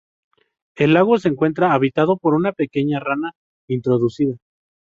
El lago se encuentra habitado por una pequeña rana introducida.